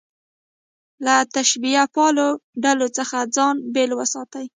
له تشبیه پالو ډلو څخه ځان بېل وساتي.